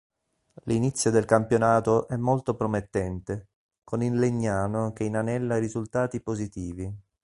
L'inizio del campionato è molto promettente, con il Legnano che inanella risultati positivi.